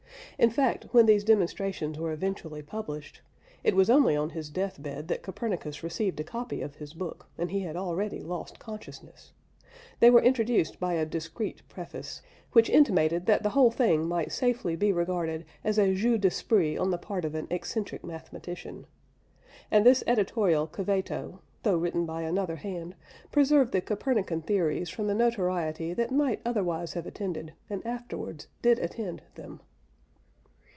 In fact, when these demonstrations were eventually published (it was only on his death bed that Copernicus received a copy of his book and he had already lost consciousness) they were introduced by a discreet preface, which intimated that the whole thing might safely be regarded as a jeu d'esprit on the part of an eccentric mathematician. And this editorial caveto, though written by another hand, preserved the Copernican theories from the notoriety that might otherwise have attended, and afterwards did attend, them.